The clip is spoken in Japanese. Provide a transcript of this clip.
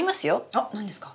あっ何ですか？